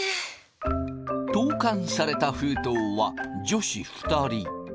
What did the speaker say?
投かんされた封筒は女子２人。